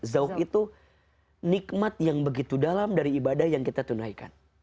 zauk itu nikmat yang begitu dalam dari ibadah yang kita tunaikan